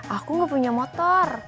aku gak punya motor